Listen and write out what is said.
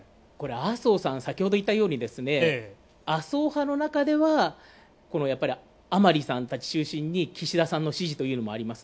麻生さん、先ほど言ったように麻生派の中では甘利さんたち中心に岸田さんの支持というのもあります。